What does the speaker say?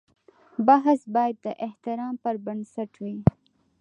بحث باید د احترام پر بنسټ وي.